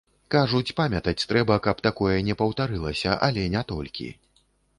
Кажуць, памятаць трэба, каб такое не паўтарылася, але не толькі.